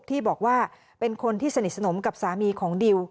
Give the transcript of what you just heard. ที่บอกว่าเป็นคนที่สนิทสนมกับสามีของดิว